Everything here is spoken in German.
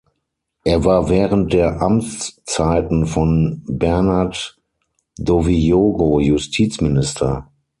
Er war während der Amtszeiten von Bernard Dowiyogo Justizminister.